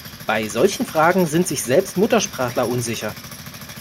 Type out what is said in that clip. Bei solchen Fragen sind sich selbst Muttersprachler unsicher.